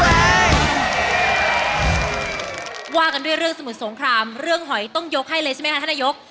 เรื่องหอยต้องยกให้เลยใช่ไหมคะท่านนายก